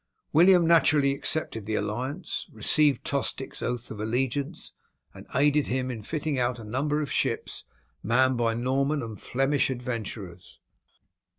William naturally accepted the alliance, received Tostig's oath of allegiance, and aided him in fitting out a number of ships manned by Norman and Flemish adventurers.